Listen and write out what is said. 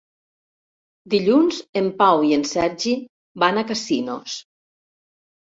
Dilluns en Pau i en Sergi van a Casinos.